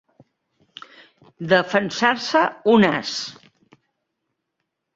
Defensar-se un as.